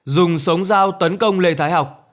dùng sống dao tấn công lê thái học